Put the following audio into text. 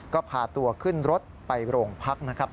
ก็พาตัวขึ้นรถไปโรงพักนะครับ